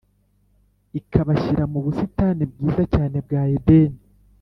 ikabashyira mu busitani bwiza cyane bwa edeni.